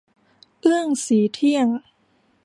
เอื้องศรีเที่ยง